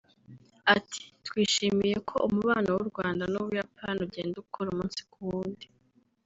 Ati “ Twishimiye ko umubano w’u Rwanda n’u Buyapani ugenda ukura umunsi ku wundi[…]”